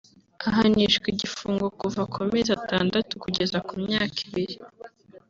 ahanishwa igifungo kuva ku mezi atandatu kugeza ku myaka ibiri